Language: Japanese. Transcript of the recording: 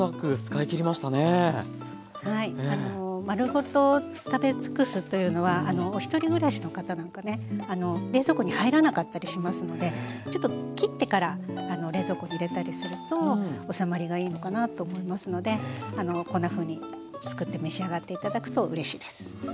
丸ごと食べ尽くすというのはお一人暮らしの方なんかね冷蔵庫に入らなかったりしますのでちょっと切ってから冷蔵庫に入れたりすると収まりがいいのかなと思いますのでこんなふうに作って召し上がって頂くとうれしいです。